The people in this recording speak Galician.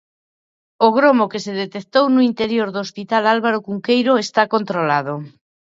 O gromo que se detectou no interior do hospital Álvaro Cunqueiro está controlado.